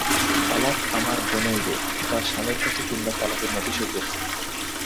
তালাক আমার বোনই দেয়, তার স্বামীর কাছে তিনবার তালাকের নোটিশও গিয়েছে।